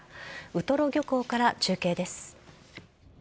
ウトロ漁港から中継です。